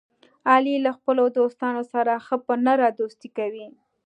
علي له خپلو دوستانو سره ښه په نره دوستي کوي.